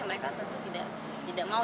mereka tentu tidak mau